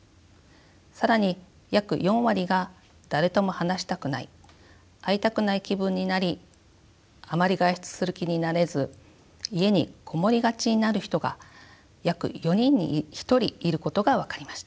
更に約４割が誰とも話したくない会いたくない気分になりあまり外出する気になれず家に籠もりがちになる人が約４人に１人いることが分かりました。